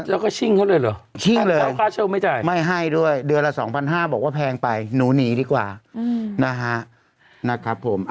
เราก็ชิ้งเขาเลยเหรอชิ้งเลยไม่ให้ด้วยเดือนละ๒๕๐๐บาทบอกว่าแพงไปนูหนีดีกว่านะครับ